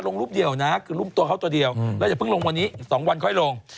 แล้วอย่าลงกับแรงอีก๒วันค่อยลง